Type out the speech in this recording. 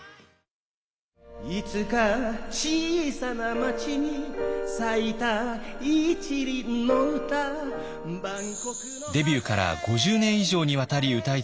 いつか小さな街に咲いた一輪の歌デビューから５０年以上にわたり歌い続け